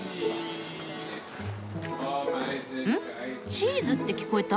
「チーズ」って聞こえた？